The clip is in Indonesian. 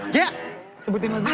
gaya atap ke depan